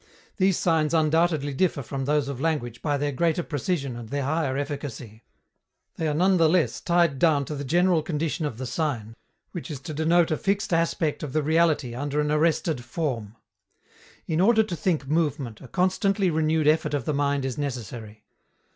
These signs undoubtedly differ from those of language by their greater precision and their higher efficacy; they are none the less tied down to the general condition of the sign, which is to denote a fixed aspect of the reality under an arrested form. In order to think movement, a constantly renewed effort of the mind is necessary.